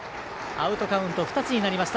アウトカウント２つになりました。